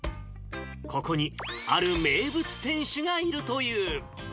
ここにある名物店主がいるという。